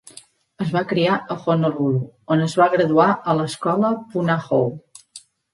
Es va criar a Honolulu, on es va graduar a l'escola Punahou.